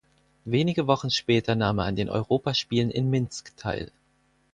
Wenige Wochen später nahm er an den Europaspielen in Minsk teil.